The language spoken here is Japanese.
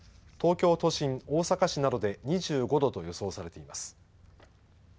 東京都心、大阪市などで２５度と予想されています。